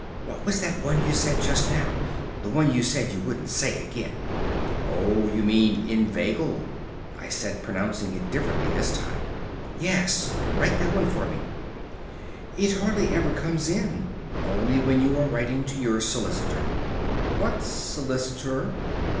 "What was that one you said just now? The one you said you wouldn't say again?" "Oh, you mean 'inveigle'?" I said, pronouncing it differently this time. "Yes; write that for me." "It hardly ever comes in. Only when you are writing to your solicitor." "What's 'solicitor'?"